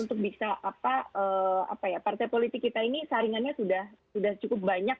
untuk bisa apa ya partai politik kita ini saringannya sudah cukup banyak